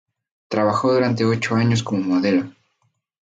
Trabajó durante ocho años como modelo.